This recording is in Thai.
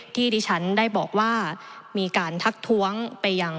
ที่ดิฉันได้บอกว่ามีการทักท้วงไปยัง